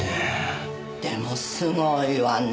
でもすごいわね